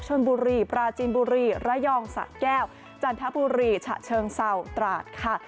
ชนบุรีปราจีนบุรีระยองสะแก้วจันทบุรีฉะเชิงเศร้าตราดค่ะ